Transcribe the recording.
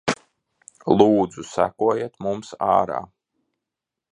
Lūdzu sekojiet mums ārā.